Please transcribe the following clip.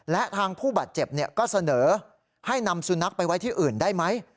และทางผู้บาดเจ็บก็เสนอให้นำสุนัขไปไว้ที่อื่นได้ไหม